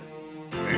え！？